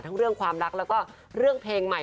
เรื่องความรักแล้วก็เรื่องเพลงใหม่